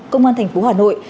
công an thành phố hà nội